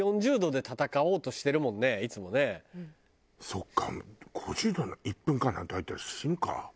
そっか５０度に１分間なんて入ったら死ぬか。